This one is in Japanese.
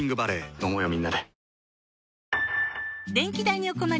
飲もうよみんなで。